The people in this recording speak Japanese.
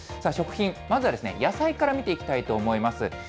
食品、まずは野菜から見ていきたいと思います。